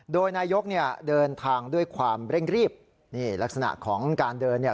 โดยนายกเนี่ยเดินทางด้วยความเร่งรีบนี่ลักษณะของการเดินเนี่ย